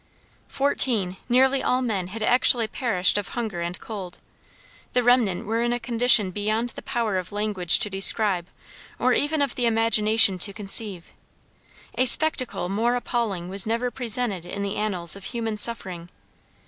Fourteen, nearly all men, had actually perished of hunger and cold. The remnant were in a condition beyond the power of language to describe, or even of the imagination to conceive. A spectacle more appalling was never presented in the annals of human suffering.